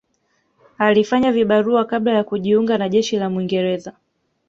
Alifanya vibarua kabla ya kujiunga na jeshi la Mwingereza